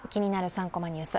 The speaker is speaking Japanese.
３コマニュース」